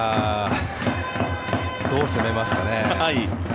どう攻めますかね。